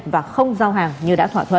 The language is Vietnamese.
và không giao hàng như đã thỏa thuận